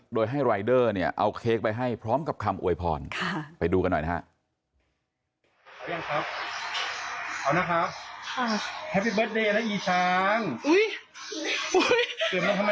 โดยให้รายเดอร์เนี่ยเอาเค้กไปให้พร้อมกับคำอวยพรไปดูกันหน่อยนะฮะ